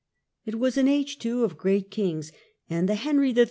It was an age, too, of great kings, and the Henry III.